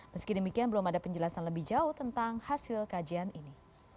meski demikian belum ada penjelasan lebih jauh tentang hasil kajian ini